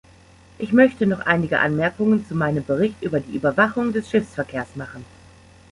Ich möchte noch einige Anmerkungen zu meinem Bericht über die Überwachung des Schiffsverkehrs machen.